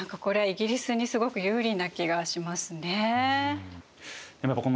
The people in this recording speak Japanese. イギリスにすごく有利な気がしますね。